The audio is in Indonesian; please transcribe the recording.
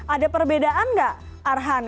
ada perbedaan nggak arhan